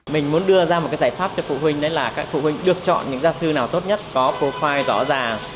mình muốn đưa ra một giải pháp cho phụ huynh là các phụ huynh được chọn những gia sư nào tốt nhất có profile rõ ràng